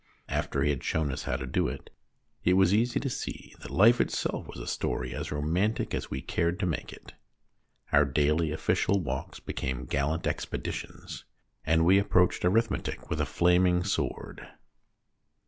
After he had shown us how to do it, it was easy to see that life itself was a story as romantic as we cared to make it. Our daily official walks became gallant ex THE STORY TELLER 31 peditions, and we approached arithmetic with a flaming sword.